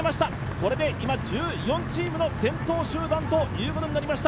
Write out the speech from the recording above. これで１４チームの先頭集団ということになりました。